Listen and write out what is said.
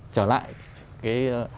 trở lại cái